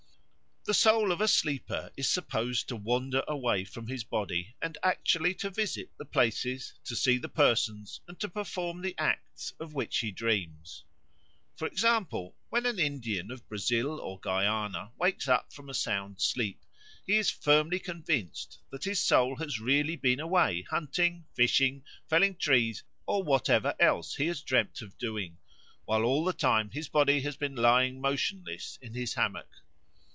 The soul of a sleeper is supposed to wander away from his body and actually to visit the places, to see the persons, and to perform the acts of which he dreams. For example, when an Indian of Brazil or Guiana wakes up from a sound sleep, he is firmly convinced that his soul has really been away hunting, fishing, felling trees, or whatever else he has dreamed of doing, while all the time his body has been lying motionless in his hammock.